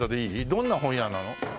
どんな本屋なの？